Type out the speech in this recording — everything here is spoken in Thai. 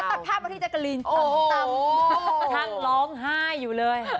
จริงนี่จริง